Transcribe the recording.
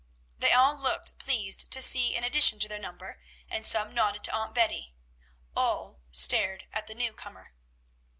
They all looked pleased to see an addition to their number, and some nodded to Aunt Betty; all stared at the new comer.